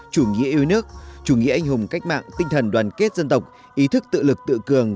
chủ nghĩa ưu nước chủ nghĩa anh hùng cách mạng tinh thần đoàn kết dân tộc ý thức tự lực tự cường